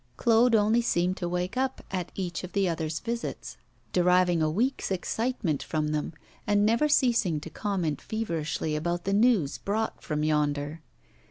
Claude only seemed to wake up at each of the other's visits; deriving a week's excitement from them, and never ceasing to comment feverishly about the news brought from yonder.